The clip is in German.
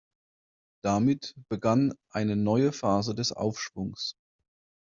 Damit begann eine neue Phase des Aufschwungs.